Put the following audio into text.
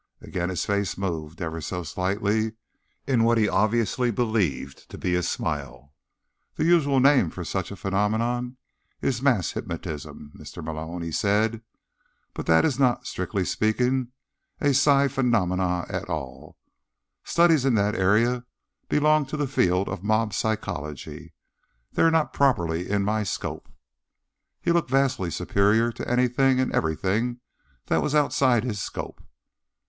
Again his face moved, ever so slightly, in what he obviously believed to be a smile. "The usual name for such a phenomenon is 'mass hypnotism,' Mr. Malone," he said. "But that is not, strictly speaking, a psi phenomenon at all. Studies in that area belong to the field of mob psychology; they are not properly in my scope." He looked vastly superior to anything and everything that was outside his scope.